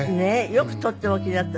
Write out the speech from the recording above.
よく取っておおきになった。